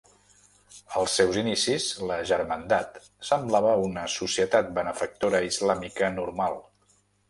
Als seus inicis, la germandat semblava una societat benefactora islàmica normal.